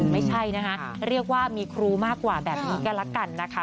ไม่ใช่นะคะเรียกว่ามีครูมากกว่าแบบนี้ก็แล้วกันนะคะ